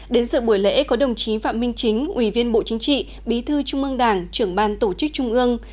đến sự buổi lễ có đồng chí phạm minh chính ủy viên bộ chính trị bí thư trung ương đảng trưởng ban tổ chức trung ương